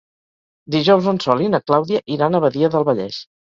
Dijous en Sol i na Clàudia iran a Badia del Vallès.